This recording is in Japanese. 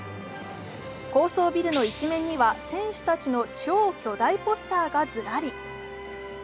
高層ビルの一面には選手たちの超巨大ポスターがずらり。